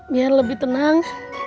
biar lebih tenang